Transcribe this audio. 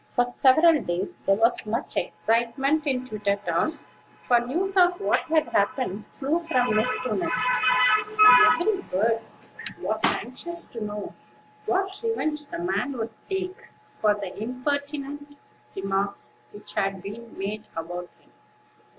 For several days, there was much excitement in Twittertown; for news of what had happened flew from nest to nest, and every bird was anxious to know what revenge the man would take for the impertinent remarks which had been made about him.